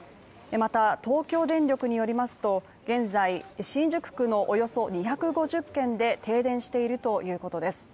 また、東京電力によりますと現在、新宿区のおよそ２５０軒で停電しているということです。